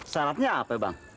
syaratnya apa bang